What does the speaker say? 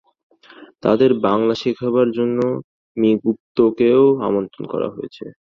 তাঁদের বাঙলা শেখাবার জন্য মি গুপ্তকেও আমন্ত্রণ করা হয়েছে।